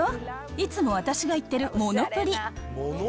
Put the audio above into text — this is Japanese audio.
いつも私が行ってるモノプリ。